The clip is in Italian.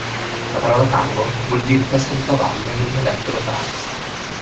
La parola "tango" vuol dire "testa di cavallo" in un dialetto locale.